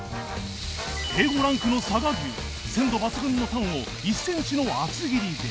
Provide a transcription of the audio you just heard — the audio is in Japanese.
Ａ５ ランクの佐賀牛鮮度抜群のタンを１センチの厚切りで